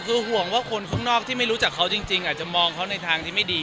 คือห่วงว่าคนข้างนอกที่ไม่รู้จักเขาจริงอาจจะมองเขาในทางที่ไม่ดี